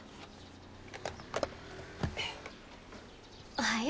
おはよう。